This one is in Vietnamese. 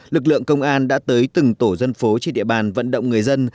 lực lượng công an đã tới từng tổ dân phố trên địa bàn vận động người dân